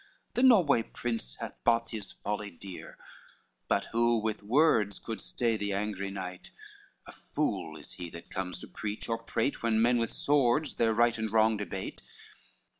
The Norway Prince hath bought his folly dear, But who with words could stay the angry knight? A fool is he that comes to preach or prate When men with swords their right and wrong debate.